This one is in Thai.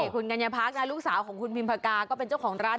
คุณกัญญาพักนะลูกสาวของคุณพิมพากาก็เป็นเจ้าของร้าน